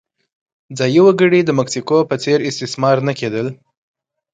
ځايي وګړي د مکسیکو په څېر استثمار نه کېدل.